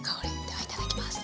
ではいただきます。